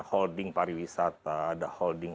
holding pariwisata ada holding